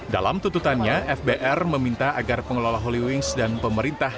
dalam tututannya fbr meminta agar pengelola holy wings dan pemerintah